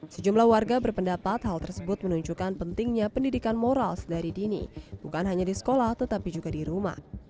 sejumlah warga berpendapat hal tersebut menunjukkan pentingnya pendidikan moral sedari dini bukan hanya di sekolah tetapi juga di rumah